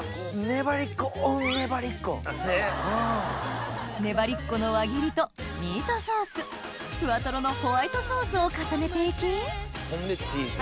ねばりっこの輪切りとミートソースふわとろのホワイトソースを重ねて行きほんでチーズ。